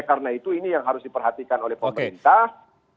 karena itu ini yang harus diperhatikan oleh pemerintah